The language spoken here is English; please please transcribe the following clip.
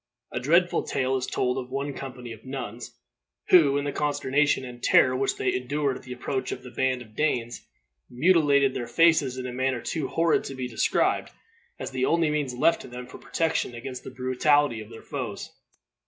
A dreadful tale is told of one company of nuns, who, in the consternation and terror which they endured at the approach of a band of Danes, mutilated their faces in a manner too horrid to be described, as the only means left to them for protection against the brutality of their foes.